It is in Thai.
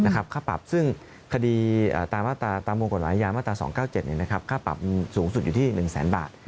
ค่าปรับซึ่งคดีตามมงกฎหมายยามาตรา๒๙๗ค่าปรับสูงสุดอยู่ที่๑แสนบาท